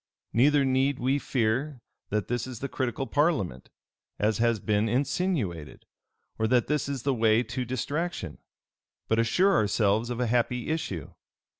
Neither need we fear that this is the critical parliament, as has been insinuated; or that this is the way to distraction: but assure ourselves of a happy issue.